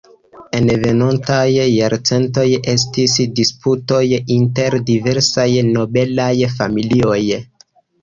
En venontaj jarcentoj estis disputoj inter diversaj nobelaj familioj.